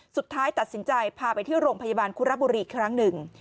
สุดท้ายตัดสินใจพาไปที่โรงพยาบาลคุระบุรีอีกครั้งหนึ่ง